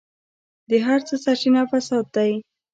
د هر څه سرچينه فساد دی.